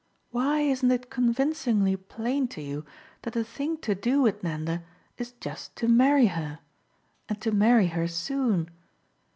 Why isn't it convincingly plain to you that the thing to do with Nanda is just to marry her and to marry her soon?